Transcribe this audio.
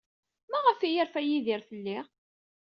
Maɣef ay yerfa Yidir fell-i?